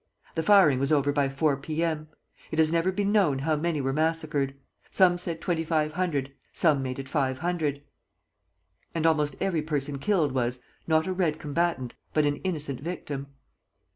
The firing was over by four P. M. It has never been known how many were massacred. Some said twenty five hundred, some made it five hundred, and almost every person killed was, not a Red combatant, but an innocent victim.